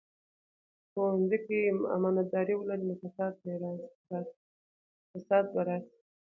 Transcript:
که ښوونځي کې امانتداري ولري، نو فساد به راسي.